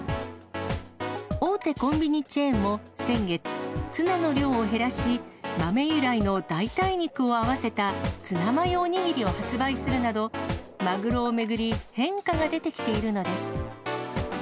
大手コンビニチェーンも先月、ツナの量を減らし、豆由来の代替肉を合わせたツナマヨお握りを発売するなど、マグロを巡り、変化が出てきているのです。